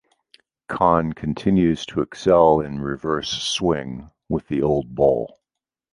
Khan continues to excel in reverse swing with the old ball.